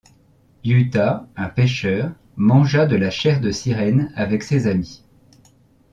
Yuta, un pêcheur, mangea de la chair de sirène avec ses amis.